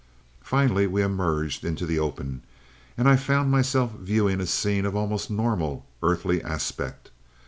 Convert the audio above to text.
"Finally, we emerged into the open, and I found myself viewing a scene of almost normal, earthly aspect.